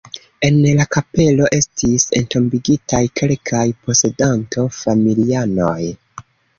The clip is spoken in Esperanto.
En la kapelo estis entombigitaj kelkaj posedanto-familianoj.